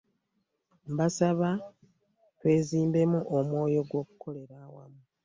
Mbasaba twezimbemu omwoyo gw'okukolera awamu.